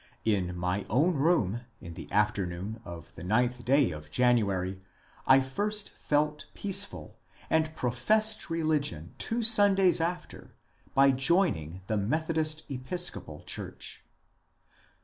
In my own room in the afternoon of the ninth day of January I first felt peaceful, and professed reli Son two Sundays after by joining the Methodist Episcopal hurch.